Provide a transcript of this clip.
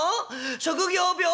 職業病？」。